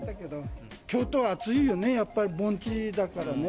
京都は暑いよね、やっぱり、盆地だからね。